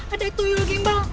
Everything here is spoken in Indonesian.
ada tujuan gimbal